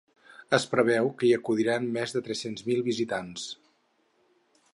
Es preveu que hi acudiran més de tres-cents mil visitants.